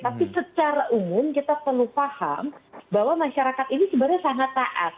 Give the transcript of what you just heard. tapi secara umum kita perlu paham bahwa masyarakat ini sebenarnya sangat taat